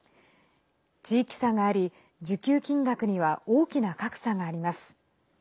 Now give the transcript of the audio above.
地域差があり、受給金額には大きな格差があります。